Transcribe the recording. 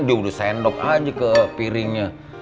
dia udah sendok aja ke piringnya